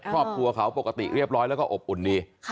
ครอบครัวเขาปกติเรียบร้อยแล้วก็อบอุ่นดี